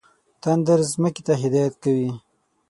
تندر ځمکې ته هدایت کوي.